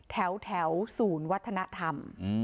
แถวศูนย์วัฒนธรรม